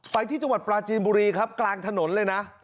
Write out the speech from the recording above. ไปที่จังหวัดปลาจีนบุรีครับกลางถนนเลยนะ